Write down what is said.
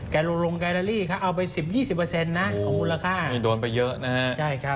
แกโรงวลงไการ์เลอรี่เอาไป๑๐๒๐ของมูลค่า